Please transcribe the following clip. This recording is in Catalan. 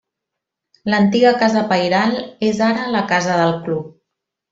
L'antiga casa pairal és ara la casa del club.